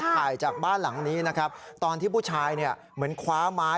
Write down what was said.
ถ่ายจากบ้านหลังนี้นะครับตอนที่ผู้ชายเนี่ยเหมือนคว้าไม้